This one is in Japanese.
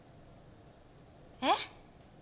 えっ？